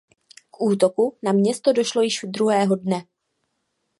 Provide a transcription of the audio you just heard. K útoku na město došlo již druhého dne.